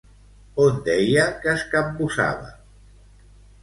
On deia que es capbussava?